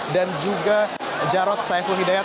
dan juga jarod saiful hidayat